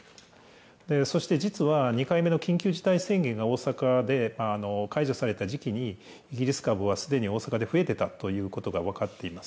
そして実は、２回目の緊急事態宣言が大阪で解除された時期にイギリス株はすでに大阪で増えてたということが分かっています。